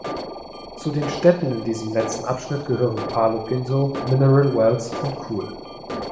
Zu den Städten in diesem letzten Abschnitt gehören Palo Pinto, Mineral Wells und Cool.